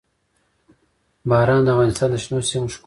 باران د افغانستان د شنو سیمو ښکلا ده.